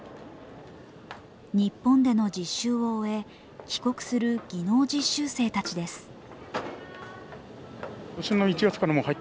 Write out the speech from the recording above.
日本での実習を終え帰国する技能実習生たちです。